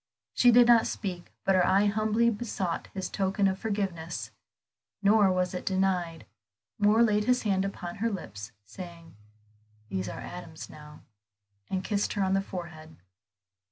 She did not speak, but her eye humbly besought this token of forgiveness; nor was it denied. Moor laid his hand upon her lips, saying, "these are Adam's now," and kissed her on the forehead.